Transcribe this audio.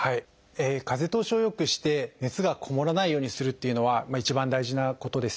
風通しをよくして熱がこもらないようにするというのは一番大事なことです。